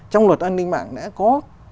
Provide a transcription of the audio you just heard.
trong luật an ninh mạng đã có